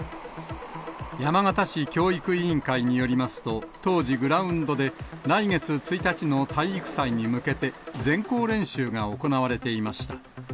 山形市教育委員会によりますと、当時グラウンドで、来月１日の体育祭に向けて、全校練習が行われていました。